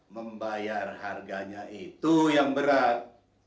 membayar harganya itu yang berat